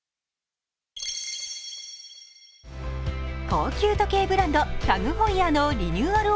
高級時計ブランド、タグ・ホイヤーのリニューアル